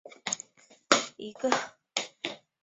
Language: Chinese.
华南谷精草为谷精草科谷精草属下的一个种。